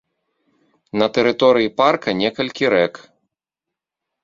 На тэрыторыі парка некалькі рэк.